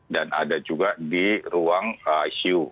dan ada juga di ruang icu